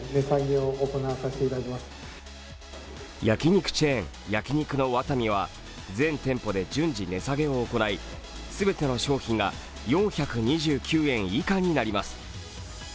焼き肉チェーン、焼き肉の和民は全店舗で順次値下げを行い全ての商品が４２９円以下になります